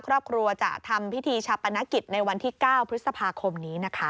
ครอบครัวจะทำพิธีชาปนกิจในวันที่๙พฤษภาคมนี้นะคะ